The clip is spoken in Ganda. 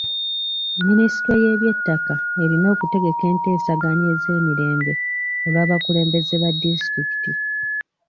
Minisitule y'ebyettaka erina okutegeka enteesaganya ez'emirembe olw'abakulembeze ba disitulikiti.